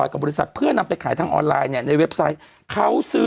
กับบริษัทเพื่อนำไปขายทางออนไลน์เนี่ยในเว็บไซต์เขาซื้อ